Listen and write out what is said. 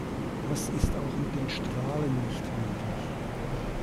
Das ist auch mit den Strahlen nicht möglich.